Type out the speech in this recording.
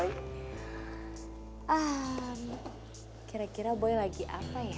hai ah kira kira boy lagi apa ya